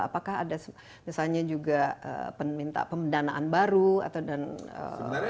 apakah ada misalnya juga pemberitaan pemberdanaan baru atau apa yang kita bisa